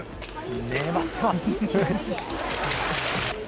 粘ってます。